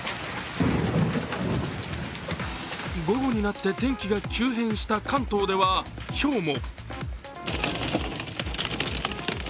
午後になって天気が急変した関東では、ひょうも。